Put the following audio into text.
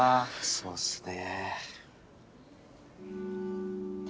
そうっすね。